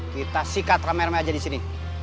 kita sikat ramai ramai aja di sini